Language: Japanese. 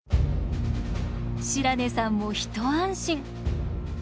白根さんも一安心。